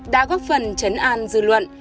đã góp phần chấn an dư luận